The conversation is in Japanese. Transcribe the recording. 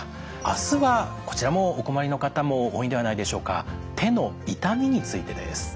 明日はこちらもお困りの方も多いんではないでしょうか手の痛みについてです。